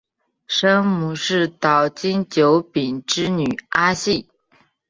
生母是岛津久丙之女阿幸。